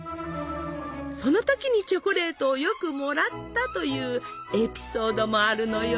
その時にチョコレートをよくもらったというエピソードもあるのよ！